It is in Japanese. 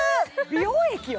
美容液よ？